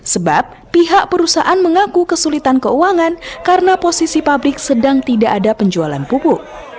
sebab pihak perusahaan mengaku kesulitan keuangan karena posisi pabrik sedang tidak ada penjualan pupuk